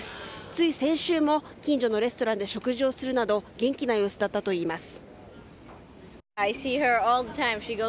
つい先週も近所のレストランで食事をするなど元気な様子だったといいます。